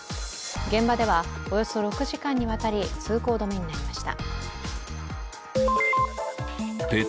現場ではおよそ６時間にわたり通行止めになりました。